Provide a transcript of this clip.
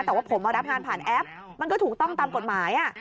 แต่ว่าผมมารับงานผ่านแอปมันก็ถูกต้องตามกฎหมาย